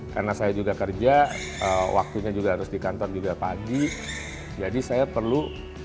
karena saya juga kerja waktunya juga harus di kantor pagi jadi saya perlu